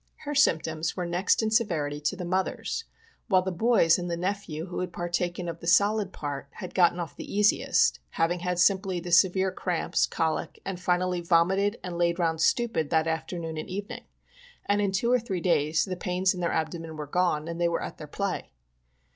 Her symptoms were next in severity to the mother's — while the boys and the nephew, who had partaken of the solid part, had got off the easiest, having had simply the severe cramps, colic, and finally vomited and laid round stupid that afternoon and evening, and in two or three days the pains in the abdomen were gone and they were at their play.